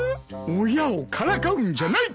親をからかうんじゃない！